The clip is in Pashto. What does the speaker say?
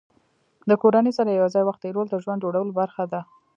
د کورنۍ سره یو ځای وخت تېرول د ژوند جوړولو برخه ده.